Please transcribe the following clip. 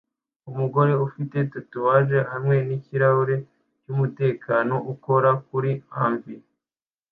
Umugore ufite tatuwaje hamwe nikirahure cyumutekano ukora kuri anvil